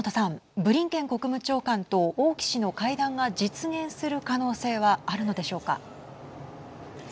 ブリンケン国務長官と王毅氏の会談が実現する可能性はあるのでしょうか。